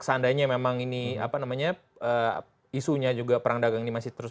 seandainya memang ini apa namanya isunya juga perang dagang ini masih terus